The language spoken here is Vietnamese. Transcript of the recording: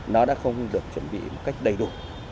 nó đã không được chuẩn bị một cách đầy đủ